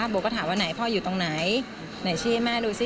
บอกก็ถามว่าพ่ออยู่ตรงไหนหน่อยชี้ให้แม่ดูสิ